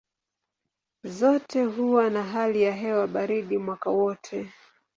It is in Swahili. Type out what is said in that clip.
Zote huwa na hali ya hewa baridi mwaka wote.